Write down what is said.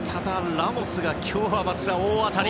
ラモスが今日は大当たり。